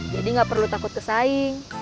jadi nggak perlu takut kesaing